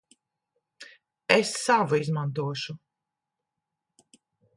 Es savu izmantošu.